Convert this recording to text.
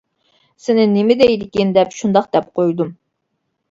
-سېنى نېمە دەيدىكىن دەپ شۇنداق دەپ قويدۇم.